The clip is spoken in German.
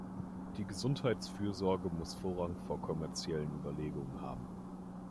Die Gesundheitsfürsorge muss Vorrang vor kommerziellen Überlegungen haben.